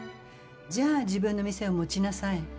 じゃあ自分の店を持ちなさい。